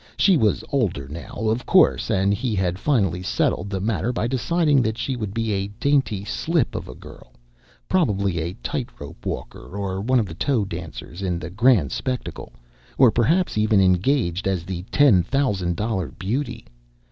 She was older now, of course, and he had finally settled the matter by deciding that she would be a dainty slip of a girl probably a tight rope walker or one of the toe dancers in the Grand Spectacle, or perhaps even engaged as the Ten Thousand Dollar Beauty.